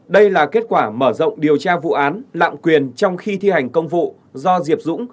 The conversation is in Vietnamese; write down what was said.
đây là kết quả mở rộng điều tra vụ án lạm quyền trong khi thi hành công vụ do diệp dũng